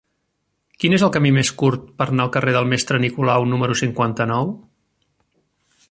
Quin és el camí més curt per anar al carrer del Mestre Nicolau número cinquanta-nou?